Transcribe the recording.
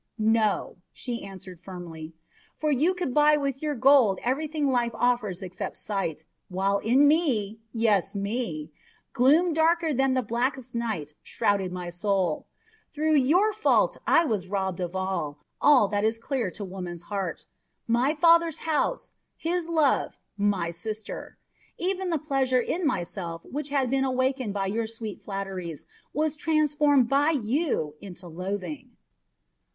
"No," she answered firmly; "for you could buy with your gold everything life offers except sight, while in me yes, in me gloom darker than the blackest night shrouded my soul. Through your fault I was robbed of all, all that is clear to woman's heart: my father's house, his love, my sister. Even the pleasure in myself which had been awakened by your sweet flatteries was transformed by you into loathing."